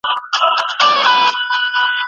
پاک اودس د برکت سبب ګرځي.